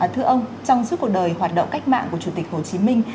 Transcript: thưa ông trong suốt cuộc đời hoạt động cách mạng của chủ tịch hồ chí minh